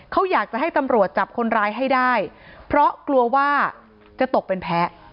เขาอยากจะให้ตำรวจจับคนร้ายให้ได้เพราะกลัวว่าจะตกเป็นแพ้